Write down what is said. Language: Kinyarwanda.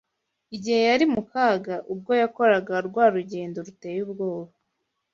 Igihe yari mu kaga, ubwo yakoraga rwa rugendo ruteye ubwoba